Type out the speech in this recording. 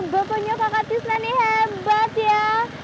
bapaknya kakak tisna ini hebat ya